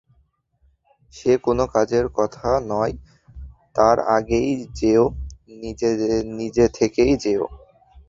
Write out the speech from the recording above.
সে কোনো কাজের কথা নয়, তার আগেই যেয়ো, নিজে থেকেই যেয়ো।